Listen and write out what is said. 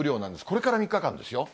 これから３日間ですよ。